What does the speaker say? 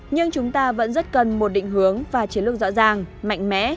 nhưng chúng ta vẫn rất cần một định hướng và chiến lược rõ ràng mạnh mẽ